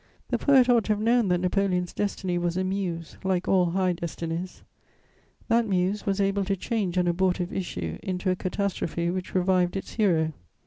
The poet ought to have known that Napoleon's destiny was a muse, like all high destinies. That muse was able to change an abortive issue into a catastrophe which revived its hero.